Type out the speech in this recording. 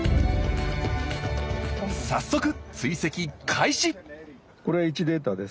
早速追跡開始！